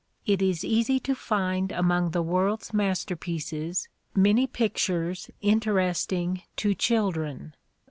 It is easy to find among the world's masterpieces many pictures interesting to children.